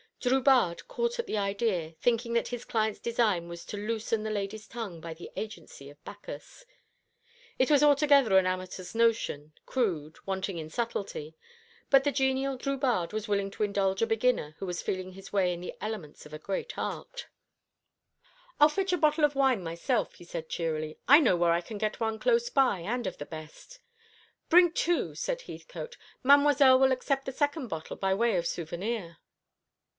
Drubarde caught at the idea, thinking that his client's design was to loosen the lady's tongue by the agency of Bacchus. It was altogether an amateur's notion, crude, wanting in subtlety; but the genial Drubarde was willing to indulge a beginner who was feeling his way in the elements of a great art. "I'll fetch a bottle of wine myself," he said cheerily; "I know where I can get one close by, and of the best." "Bring two," said Heathcote. "Mademoiselle will accept the second bottle by way of souvenir."